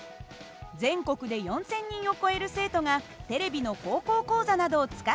全国で４，０００人を超える生徒がテレビの「高校講座」などを使って学習しています。